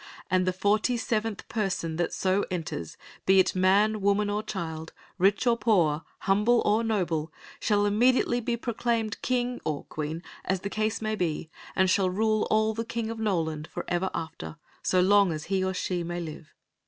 And the forty seventh person that so enters, be it man, woman, or child, rich or poor, humble or noble, shall imme diately be proclaimed king or queen, as the case may be, and shall rule all the kingdom of Noland forever after, so long as he or she may live.